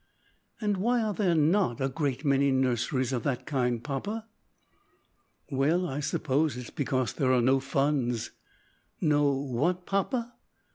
"And why are there not a great many nurseries of that kind, papa?" "Well, I suppose, it is because there are no funds." "No what? papa."